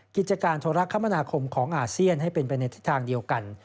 กิจการโทรคมนาคมของอาเซียนให้เป็นไปในทิศทางเดียวกัน